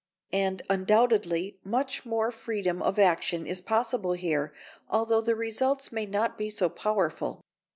And, undoubtedly, much more freedom of action is possible here, although the results may not be so powerful.